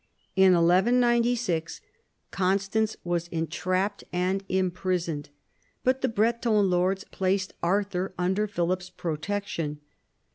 In 1196 Constance was entrapped and imprisoned, but the Breton lords placed Arthur under Philip's pro tection.